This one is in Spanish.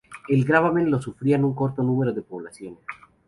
El gravamen lo sufrían un corto número de poblaciones.